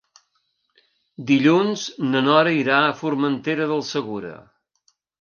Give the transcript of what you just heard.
Dilluns na Nora irà a Formentera del Segura.